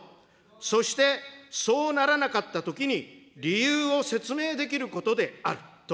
そしてそうならなかったときに理由を説明できることであると。